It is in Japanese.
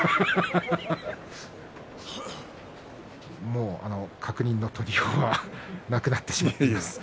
もう確認の取りようがなくなってしまいましたか。